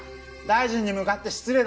大臣に向かって失礼だぞ。